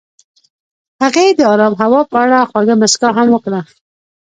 هغې د آرام هوا په اړه خوږه موسکا هم وکړه.